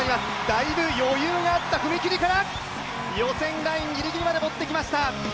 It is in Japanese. だいぶ余裕があった踏み切りから予選ラインギリギリまでもってきました。